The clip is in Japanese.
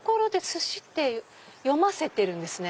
「すし」って読ませてるんですね。